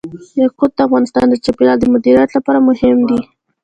یاقوت د افغانستان د چاپیریال د مدیریت لپاره مهم دي.